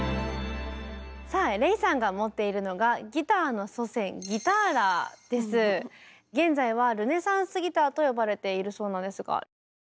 さあＲｅｉさんが持っているのが現在はルネサンスギターと呼ばれているそうなんですが。